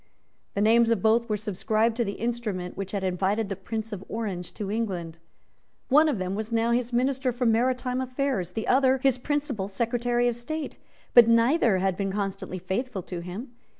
The names of both were subscribed to the instrument which had invited the Prince of Orange to England. One of them was now his Minister for Maritime Affairs; the other his Principal Secretary of State; but neither had been constantly faithful to him.